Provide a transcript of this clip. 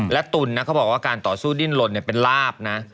และตุ๋นนะเขาบอกว่าการต่อสู้ดิ้นลนเป็นลาบนะ